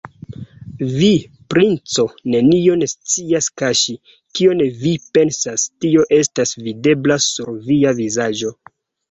Vi, princo, nenion scias kaŝi: kion vi pensas, tio estas videbla sur via vizaĝo.